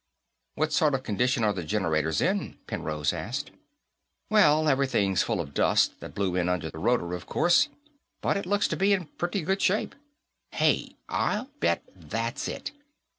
"What sort of condition are the generators in?" Penrose asked. "Well, everything's full of dust that blew in under the rotor, of course, but it looks to be in pretty good shape. Hey, I'll bet that's it!